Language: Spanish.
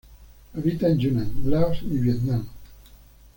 Habita en Yunnan, Laos y Vietnam.